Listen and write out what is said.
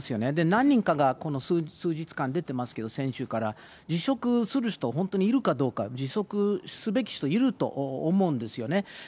何人かが、この数日間出てますけど、先週から、辞職する人、本当にいるかどうか、辞職すべき人、いると思うんですよね。